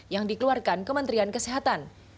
yang dikeluarkan kementerian kesehatan